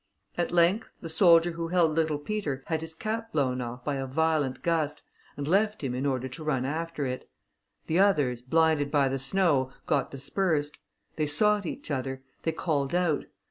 At length, the soldier who held little Peter had his cap blown off by a violent gust, and left him in order to run after it. The others, blinded by the snow, got dispersed; they sought each other; they called out.